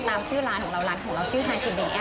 ตามชื่อร้านของเราร้านของเราชื่อฮาจิเดะ